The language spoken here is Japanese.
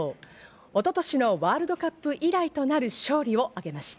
一昨年のワールドカップ以来となる勝利を挙げました。